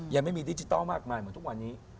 ยังไม่มีดิจิทัลมากมายเหมือนทุกวันนี้